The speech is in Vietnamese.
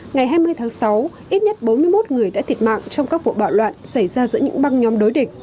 ngày hai mươi tháng sáu ít nhất bốn mươi một người đã thiệt mạng trong các vụ bạo loạn xảy ra giữa những băng nhóm đối địch